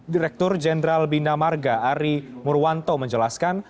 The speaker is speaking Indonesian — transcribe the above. direktur jenderal bina marga ari murwanto menjelaskan